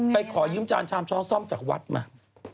ขอยืมจานชามช้อนซ่อมจากวัดมา